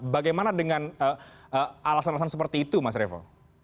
bagaimana dengan alasan alasan seperti itu mas revo